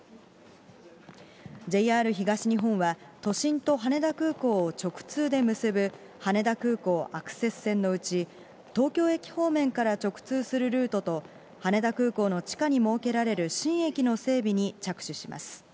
ＪＲ東日本は、都心と羽田空港を直通で結ぶ羽田空港アクセス線のうち、東京駅方面から直通するルートと、羽田空港の地下に設けられる新駅の整備に着手します。